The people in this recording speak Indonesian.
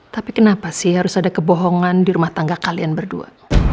tapi kenapa sih harus ada kebohongan di rumah tangga kalian berdua